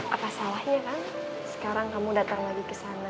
apa salahnya kan sekarang kamu datang lagi kesana